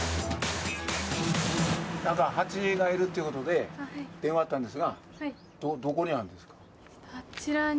なんかハチがいるということで、電話あったんですが、どこにあちらに。